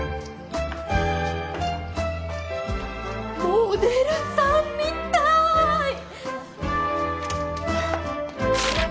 モデルさんみたい！